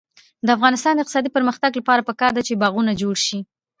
د افغانستان د اقتصادي پرمختګ لپاره پکار ده چې باغونه جوړ شي.